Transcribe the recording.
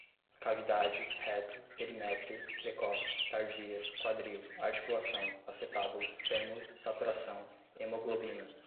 cavidade, reto, perimétrio, precoce, tardia, quadril, articulação, acetábulo, fêmur, saturação, hemoglobina